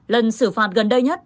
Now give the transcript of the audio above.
lần xử phạt gần đây nhất